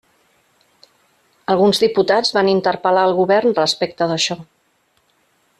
Alguns diputats van interpel·lar el govern respecte d'això.